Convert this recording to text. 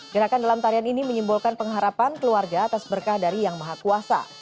gerakan dalam tarian ini menyimbolkan pengharapan keluarga atas berkah dari yang maha kuasa